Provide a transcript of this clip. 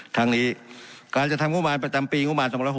ทางนี้การจะทำงประจำปีง๒๖๕